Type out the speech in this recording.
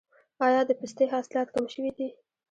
آیا د پستې حاصلات کم شوي دي؟